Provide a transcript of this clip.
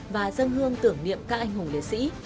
và dân hương tưởng niệm các anh hùng liệt sĩ